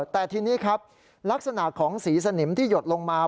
แต่ทีนี้ครับลักษณะของสีสนิมที่หยดลงมา